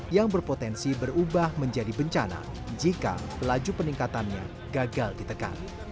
yang berpotensi berubah menjadi bencana jika laju peningkatannya gagal ditekan